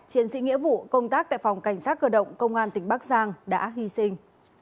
chiến sĩ nghĩa vụ công tác tại phòng cảnh sát cơ động công an tỉnh bắc giang đã hy sinh